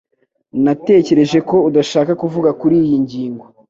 Natekereje ko udashaka kuvuga kuriyi ngingo